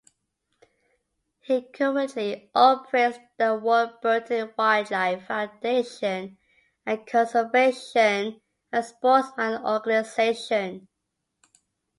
He currently operates the Ward Burton Wildlife Foundation, a conservation and sportsmans' organization.